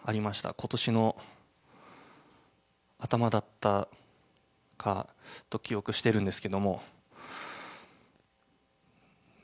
ことしの頭だったかと記憶しているんですけれども。